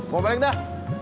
bawa balik dah